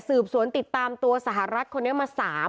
สวนติดตามตัวสหรัฐคนนี้มา๓